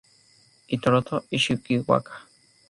Hiroto Ishikawa